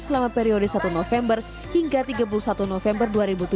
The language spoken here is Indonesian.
selama periode satu november hingga tiga puluh satu november dua ribu tujuh belas